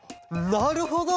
なるほど！